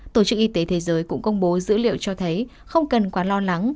tổ chức y tế thế giới cũng công bố dữ liệu cho thấy không cần quá lo lắng